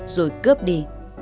rồi cướp đi